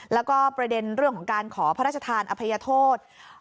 แล้วก็ประเด็นเรื่องของการขอพระราชทานอภัยโทษ